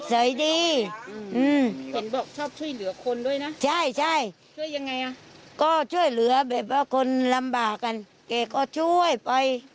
ช่วยยังไงอ่ะก็ช่วยเหลือเพราะคนลำบากกันเขาก็ช่วยไป